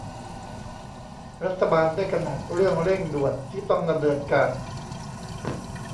รัฐบาลได้กำหนดเรื่องเร่งด่วนที่ต้องดำเนินการ